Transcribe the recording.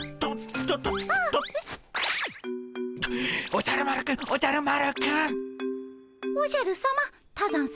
おじゃる丸くんおじゃる丸くん。